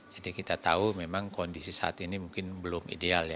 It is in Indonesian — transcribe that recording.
jadi kita tahu memang kondisi saat ini mungkin belum ideal